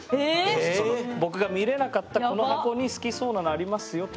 そしてその僕が見れなかったこの箱に「好きそうなのありますよ」とか言われて。